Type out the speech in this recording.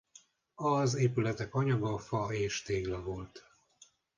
Az épületek anyaga fa és tégla volt.